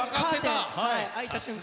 開いた瞬間。